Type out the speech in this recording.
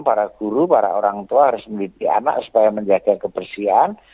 para guru para orang tua harus meneliti anak supaya menjaga kebersihan